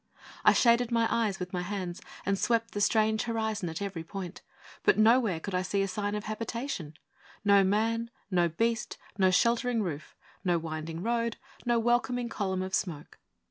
I shaded my eyes with my hands and swept the strange horizon at every point, but nowhere could I see a sign of habitation no man; no beast; no sheltering roof; no winding road; no welcoming column of smoke!